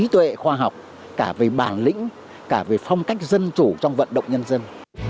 tư tệ khoa học cả về bản lĩnh cả về phong cách dân chủ trong vận động nhân dân